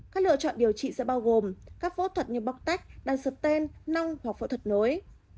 các lựa chọn điều trị sẽ bao gồm các phẫu thuật như bóc tách đàn sụp ten nong hoặc phẫu thuật nối